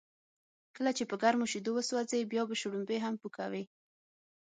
کله چې په گرمو شیدو و سوځې، بیا به شړومبی هم پو کوې.